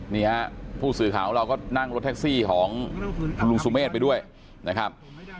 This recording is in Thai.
นี่ฮะผู้สื่อข่าวของเราก็นั่งรถแท็กซี่ของคุณลุงสุเมฆไปด้วยนะครับ